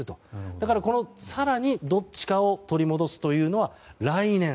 だから、更にどっちかを取り戻すというのは、来年。